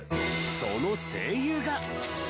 その声優が。